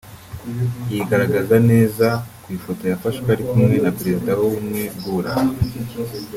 yigaragaza neza ku ifoto yafashwe ari kumwe na Perezida w’Ubumwe bw’u Burayi